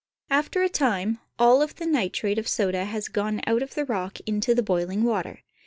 After a time all of the nitrate of soda has gone out of the rock into the boiling water.